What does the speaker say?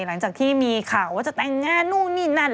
หลังจากที่มีข่าวว่าจะแต่งงานนู่นนี่นั่น